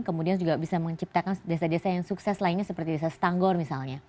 kemudian juga bisa menciptakan desa desa yang sukses lainnya seperti desa stanggor misalnya